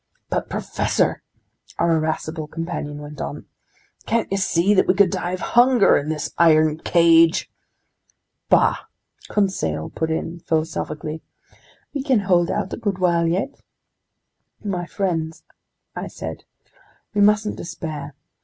"But professor," our irascible companion went on, "can't you see that we could die of hunger in this iron cage?" "Bah!" Conseil put in philosophically. "We can hold out a good while yet!" "My friends," I said, "we mustn't despair.